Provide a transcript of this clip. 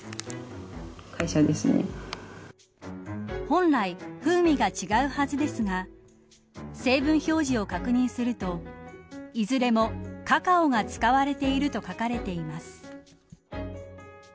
本来、風味が違うはずですが成分表示を確認するといずれもカカオが使われていると書かれています。